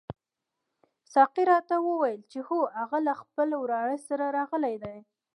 ساقي راته وویل چې هو هغه له خپل وراره سره راغلی دی.